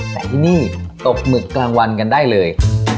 แต่ที่นี่ตกหมึกกลางวันกันได้เลย